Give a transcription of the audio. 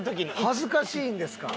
恥ずかしいんですか。